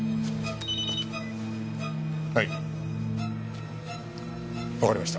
はいわかりました。